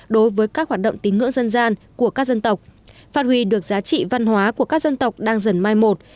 đối với các hoạt động tín ngưỡng dân gian của các dân tộc phát huy được giá trị văn hóa của các dân tộc đang dần mai một